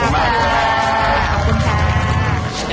ขอบคุณค่ะ